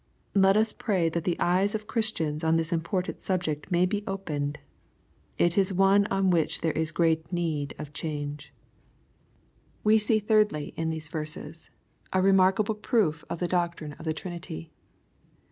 Let us pray that the eyes of Christians on this important subject may be opened. It •s one on which there is great need of change. We see, thirdly, in these verses, a remarkable jmn/ q/ LUKE, CHAP. ni. 103 the doctrine of the Trinity.